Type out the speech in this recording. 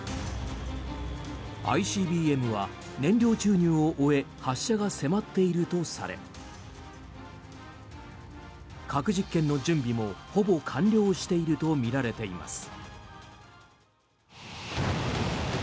ＩＣＢＭは燃料注入を終え発射が迫っているとされ核実験の準備もほぼ完了しているとみられています。